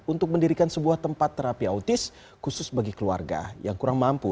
untuk mendirikan sebuah tempat terapi autis khusus bagi keluarga yang kurang mampu